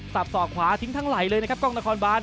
สอกขวาทิ้งทั้งไหล่เลยนะครับกล้องนครบาน